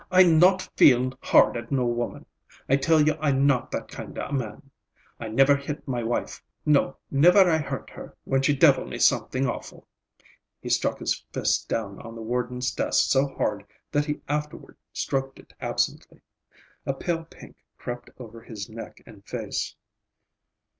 "I not feel hard at no woman. I tell you I not that kind a man. I never hit my wife. No, never I hurt her when she devil me something awful!" He struck his fist down on the warden's desk so hard that he afterward stroked it absently. A pale pink crept over his neck and face.